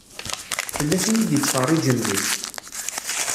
Tella tin i d-ittfeṛṛiǧen deg-k.